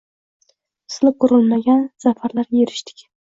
misli ko’rilmagan zafarlarga erishdik.